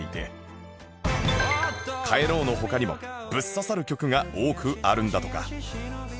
『帰ろう』の他にもぶっ刺さる曲が多くあるんだとか